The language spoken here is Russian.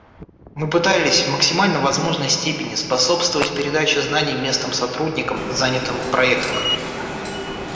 Мы пытались в максимально возможной степени способствовать передаче знаний местным сотрудникам, занятым в проектах.